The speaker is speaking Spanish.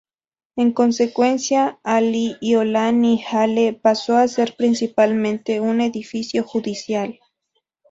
En consecuencia, Aliʻiolani Hale pasó a ser principalmente un edificio judicial.